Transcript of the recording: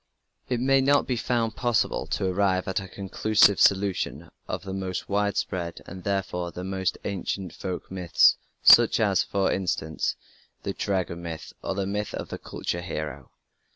It may not be found possible to arrive at a conclusive solution of the most widespread, and therefore the most ancient folk myths, such as, for instance, the Dragon Myth, or the myth of the culture hero.